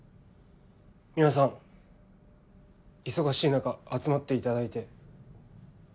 皆さん忙しい中集まっていただいて。